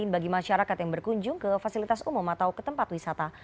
bagi masyarakat yang berkunjung ke fasilitas umum atau ke tempat wisata